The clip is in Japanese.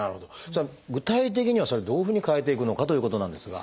具体的にはそれをどういうふうに変えていくのかということなんですが。